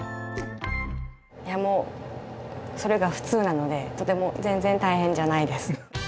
いやもうそれが普通なのでとても全然大変じゃないです。